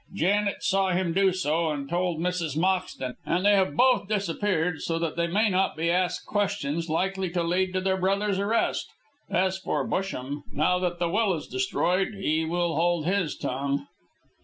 Janet saw him do so, and told Mrs. Moxton, and they have both disappeared so that they may not be asked questions likely to lead to their brother's arrest. As for Busham, now that the will is destroyed he will hold his tongue."